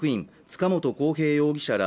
塚本晃平容疑者ら